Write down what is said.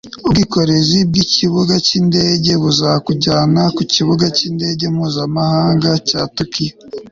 ubwikorezi bwikibuga cyindege buzakujyana ku kibuga cy'indege mpuzamahanga cya tokiyo